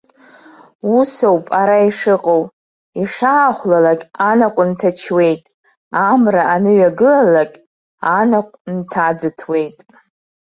Усоуп ара ишыҟоу, ишаахәлалак, анаҟә нҭачуеит, амра аныҩагылалак, анаҟә нҭаӡыҭуеит.